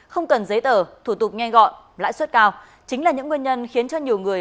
không cần giấy tờ thủ tục nhanh gọn lãi suất cao chính là những nguyên nhân khiến cho nhiều người